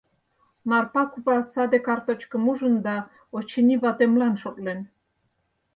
Марпа кува саде карточкым ужын да, очыни, ватемлан шотлен.